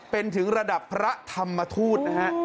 เป็นถึงระดับพระธรรมทูตนะฮะ